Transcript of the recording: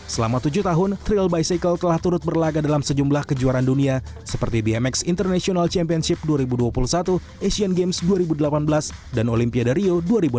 selama tujuh tahun trill bicycle telah turut berlaga dalam sejumlah kejuaraan dunia seperti bmx international championship dua ribu dua puluh satu asian games dua ribu delapan belas dan olimpiade rio dua ribu delapan belas